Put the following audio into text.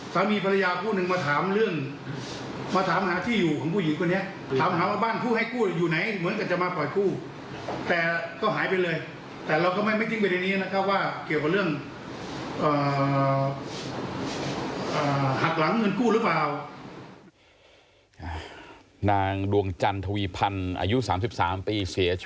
เสียชีวิตต่อสู้ทั้งนั้นมันก็จะพ่อเลิกขึ้นมาเองไม่มีร่องรายก่อ